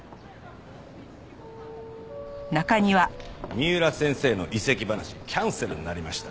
三浦先生の移籍話キャンセルになりました。